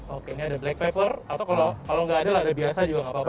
oke ini ada black pepper atau kalau nggak ada lada biasa juga nggak apa apa ya